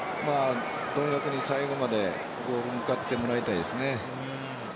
貪欲に最後まで、ゴールに向かってもらいたいですね。